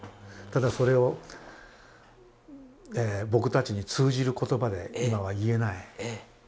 ただそれを僕たちに通じる言葉で今は言えない。